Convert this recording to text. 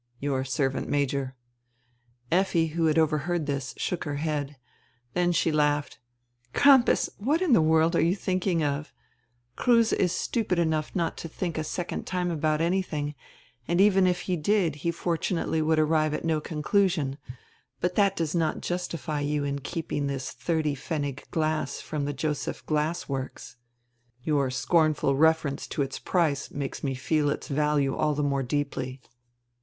"Your servant, Major." Effi, who had overheard this, shook her head. Then she laughed. "Crampas, what in the world are you thinking of? Kruse is stupid enough not to think a second time about anything, and even if he did he fortunately would arrive at no conclusion. But that does not justify you in keeping this thirty pfennig glass from the Joseph Glass Works." "Your scornful reference to its price makes me feel its value all the more deeply."